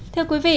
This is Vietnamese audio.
thưa quý vị